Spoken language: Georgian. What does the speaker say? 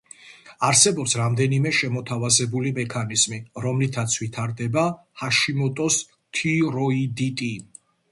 არსებობს რამდენიმე შემოთავაზებული მექანიზმი, რომლითაც ვითარდება ჰაშიმოტოს თიროიდიტი.